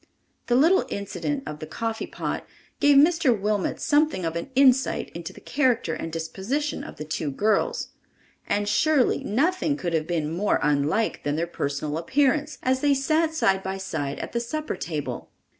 The little incident of the coffee pot gave Mr. Wilmot something of an insight into the character and disposition of the two girls. And surely nothing could have been more unlike than their personal appearance, as they sat side by side at the supper table.